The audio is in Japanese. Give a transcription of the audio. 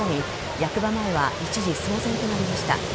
役場前は一時騒然となりました。